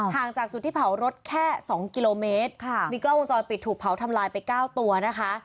จากจุดที่เผารถแค่๒กิโลเมตรมีกล้องวงจรปิดถูกเผาทำลายไป๙ตัวนะคะ